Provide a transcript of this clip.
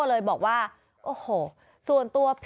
และความสุขของคุณค่ะ